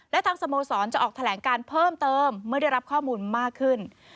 และทางสโมสรจะออกแถลงการเพิ่มเติมเมื่อได้รับข้อมูลมากขึ้น